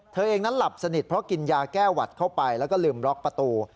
เธอเองนั้นหลับสนิทเพราะกินยาแก้หวัดเข้าไปแล้วก็ลืมล็อกประตู